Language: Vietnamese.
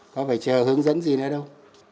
có phải chờ hướng dẫn gì nữa đâu